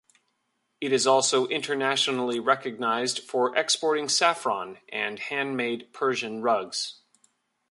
It is also internationally recognised for exporting saffron, and handmade Persian rugs.